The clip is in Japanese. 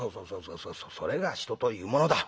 「そうそうそれが人というものだ。